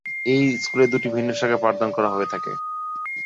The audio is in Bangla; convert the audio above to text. এই স্কুলে দুটি ভিন্ন শাখায় পাঠদান করা হয়ে থাকে।